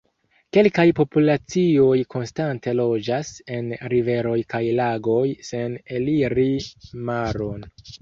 Kelkaj populacioj konstante loĝas en riveroj kaj lagoj sen eliri maron.